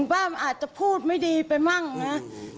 บ้าอาจจะพูดไม่ดีไปมั่งนะอืม